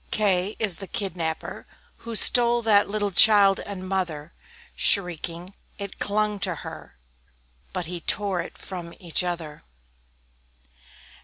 K K is the Kidnapper, who stole That little child and mother Shrieking, it clung around her, but He tore them from each other.